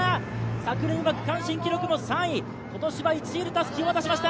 昨年は区間新記録も３位、今年は１位でたすきを渡しました。